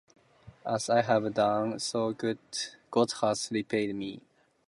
As I have done, so God has repaid me.